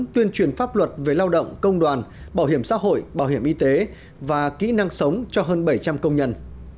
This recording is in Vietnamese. tuyên truyền pháp luật về lao động công đoàn bảo hiểm xã hội bảo hiểm y tế và kỹ năng sống cho hơn bảy trăm linh công nhân